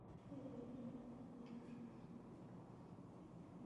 Park je možné navštívit celoročně.